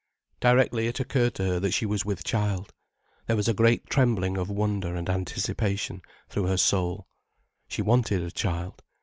Directly, it occurred to her that she was with child. There was a great trembling of wonder and anticipation through her soul. She wanted a child.